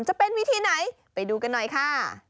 จะเป็นวิธีไหนไปดูกันหน่อยค่ะ